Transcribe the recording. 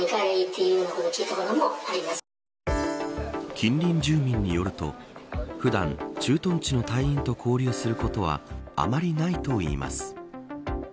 近隣住民によると普段、駐屯地の隊員と交流することはあまりないといいます。